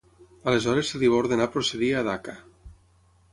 Aleshores se li va ordenar procedir a Dhaka.